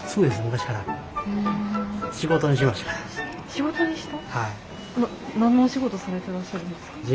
「仕事にした」？